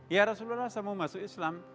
ya rasulullah saya mau masuk islam